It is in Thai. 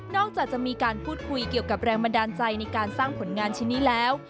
จากจะมีการพูดคุยเกี่ยวกับแรงบันดาลใจในการสร้างผลงานชิ้นนี้แล้ว